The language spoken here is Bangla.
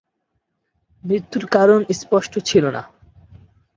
মৃত্যুর কারণ স্পষ্ট ছিল না।